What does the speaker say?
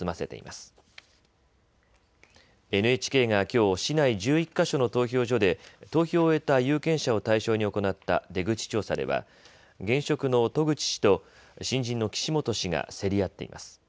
ＮＨＫがきょう市内１１か所の投票所で投票を終えた有権者を対象に行った出口調査では現職の渡具知氏と新人の岸本氏が競り合っています。